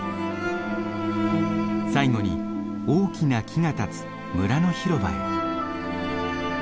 最後に大きな木が立つ村の広場へ。